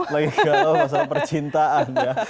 lagi kalau masalah percintaan ya